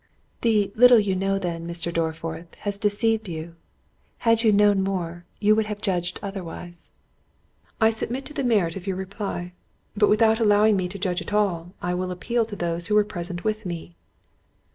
"The little you know then, Mr. Dorriforth, has deceived you; had you known more, you would have judged otherwise." "I submit to the merit of your reply; but without allowing me a judge at all, I will appeal to those who were present with me."